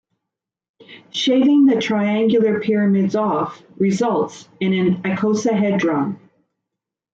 Shaving the triangular pyramids off results in an icosahedron.